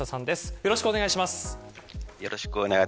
よろしくお願いします。